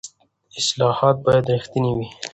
اصلاحات باید رښتیني وي